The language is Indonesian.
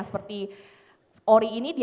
seperti ori ini di